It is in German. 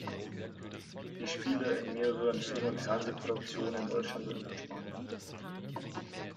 Sie spiele in mehreren Film- und Fernsehproduktionen in Deutschland und in Spanien.